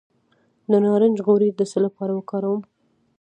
د نارنج غوړي د څه لپاره وکاروم؟